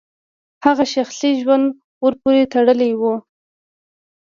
هغه شخصي ژوند ورپورې تړلی و.